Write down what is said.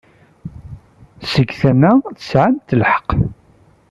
Seg tama, tesɛamt lḥeqq.